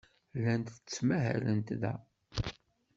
Llant ttmahalent da.